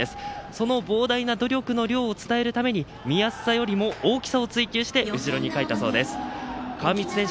その膨大な努力の量を伝えるため見やすさより大きさで後ろに書いたそうです。